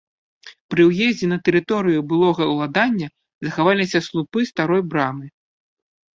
Пры ўездзе на тэрыторыю былога ўладання захаваліся слупы старой брамы.